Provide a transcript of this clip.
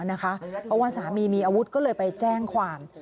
เพราะว่าสามีมีอาวุธก็เลยไปแจ้งความ